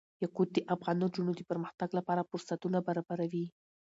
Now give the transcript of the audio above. یاقوت د افغان نجونو د پرمختګ لپاره فرصتونه برابروي.